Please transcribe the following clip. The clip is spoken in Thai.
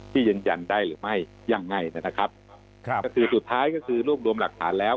ยืนยันได้หรือไม่ยังไงนะครับครับก็คือสุดท้ายก็คือรวบรวมหลักฐานแล้ว